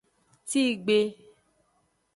Tigbe.